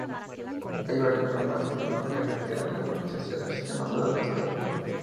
Hay varios problemas en lo que refiere a la colonización del Sistema Solar Externo.